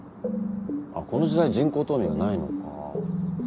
あっこの時代人工冬眠はないのか。